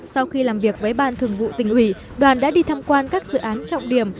sau khi làm việc với ban thường vụ tỉnh ủy đoàn đã đi tham quan các dự án trọng điểm